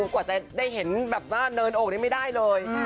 กว่าแต่ได้เห็นเหนิยนโอกได้ไม่ได้เลย